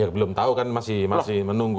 belum tahu kan masih menunggu